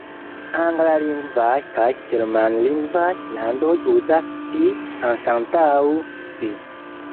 Anglalingvaj kaj germanlingvaj landoj uzas "ti" anstataŭ "si".